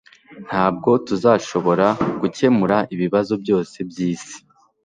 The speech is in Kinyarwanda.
ntabwo tuzashobora gukemura ibibazo byose byisi